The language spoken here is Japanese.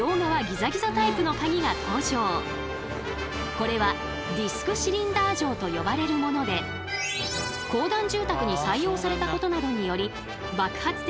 これはディスクシリンダー錠と呼ばれるもので公団住宅に採用されたことなどにより爆発的に普及したといわれています。